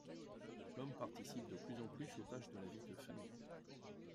L'homme participe de plus en plus aux tâches de la vie de famille.